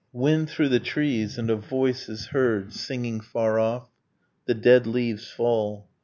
.... Wind through the trees. ... and a voice is heard Singing far off. The dead leaves fall.